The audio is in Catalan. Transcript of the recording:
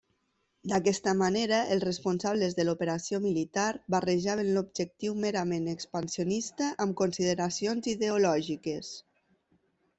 D'aquesta manera, els responsables de l'operació militar barrejaven l'objectiu merament expansionista amb consideracions ideològiques.